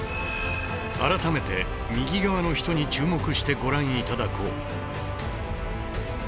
改めて右側の人に注目してご覧頂こう